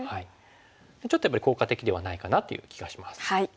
ちょっとやっぱり効果的ではないかなという気がします。